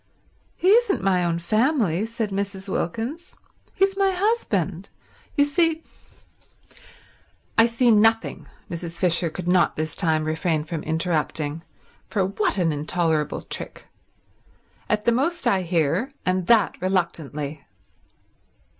"He isn't my own family," said Mrs. Wilkins. "He's my husband. You see—" "I see nothing," Mrs. Fisher could not this time refrain from interrupting—for what an intolerable trick. "At the most I hear, and that reluctantly."